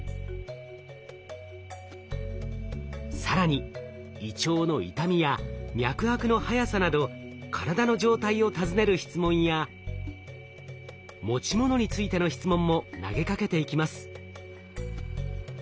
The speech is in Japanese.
更に胃腸の痛みや脈拍の速さなど体の状態を尋ねる質問や持ち物についての質問も投げかけていきます。